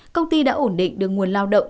công ty đã ổn định được nguồn lao động